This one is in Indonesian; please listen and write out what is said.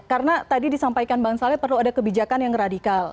karena tadi disampaikan bang salet perlu ada kebijakan yang radikal